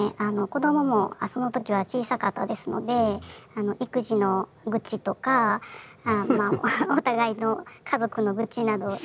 子どももその時は小さかったですので育児の愚痴とかお互いの家族の愚痴などを。